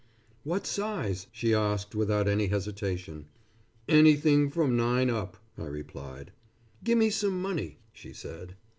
"What size?" she asked without any hesitation. "Anything from nine up," I replied. "Gimme some money," she said.